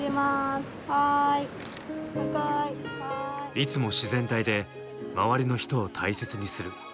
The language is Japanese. いつも自然体で周りの人を大切にする。